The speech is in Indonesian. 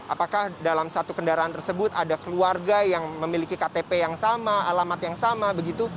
apakah dalam satu kendaraan tersebut ada keluarga yang memiliki ktp yang sama alamat yang sama begitu